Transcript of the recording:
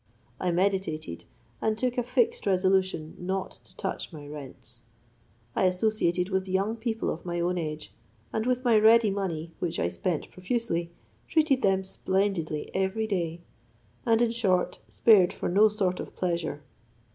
I meditated, and took a fixed resolution not to touch my rents. I associated with young people of my own age, and with my ready money, which I spent profusely, treated them splendidly every day; and in short, spared for no sort of pleasure.